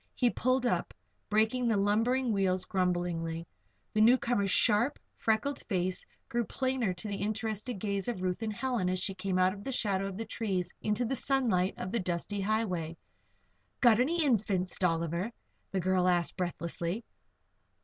He pulled up, braking the lumbering wheels grumblingly. The newcomer's sharp, freckled face grew plainer to the interested gaze of Ruth and Helen as she came out of the shadow of the trees into the sunlight of the dusty highway. "Got any Infants, Dolliver?" the girl asked, breathlessly.